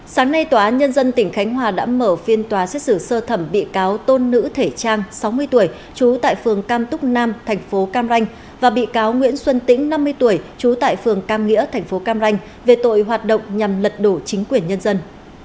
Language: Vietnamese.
sáng nay tòa án nhân dân tỉnh khánh hòa đã mở phiên tòa xét xử sơ thẩm bị cáo tôn nữ thể trang sáu mươi tuổi trú tại phường cam túc nam thành phố cam ranh và bị cáo nguyễn xuân tĩnh năm mươi tuổi trú tại phường cam nghĩa tp cam ranh về tội hoạt động nhằm lật đổ chính quyền nhân dân